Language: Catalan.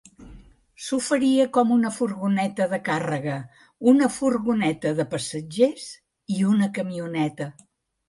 S'oferia com una furgoneta de càrrega, una furgoneta de passatgers i una camioneta.